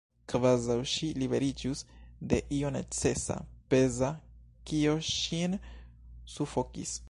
Kvazaŭ ŝi liberiĝus de io nenecesa, peza, kio ŝin sufokis.